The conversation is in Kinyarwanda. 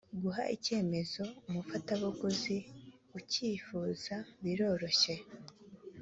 guha icyemezo umufatabuguzi ucyifuza biroroshye.